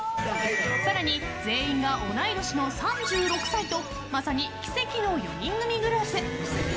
更に、全員が同い年の３６歳とまさに奇跡の４人組グループ。